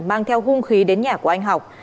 mang theo hung khí đến nhà của anh học